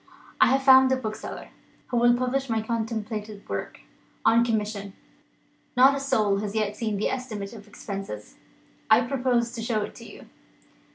I have found a bookseller, who will publish my contemplated work, on commission. Not a soul has yet seen the estimate of expenses. I propose to show it to You."